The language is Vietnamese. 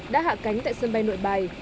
đã hạ cánh tại sân bay nội bài